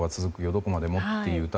どこまでも」という歌。